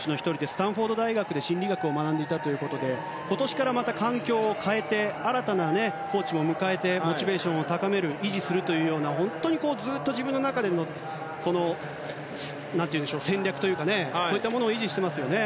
スタンフォード大学で心理学を学んでいたということで今年から環境を変えて新たなコーチも迎えてモチベーションを高める維持するというような本当に、ずっと自分の中で戦略といいますかそういったものを維持していますよね。